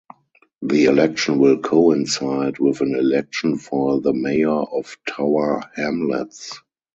The election will coincide with an election for the mayor of Tower Hamlets.